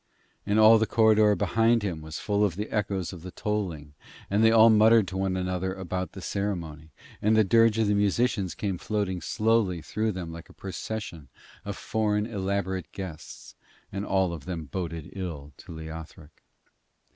And all the corridor behind him was full of the echoes of the tolling, and they all muttered to one another about the ceremony; and the dirge of the musicians came floating slowly through them like a procession of foreign elaborate guests, and all of them boded ill to Leothric.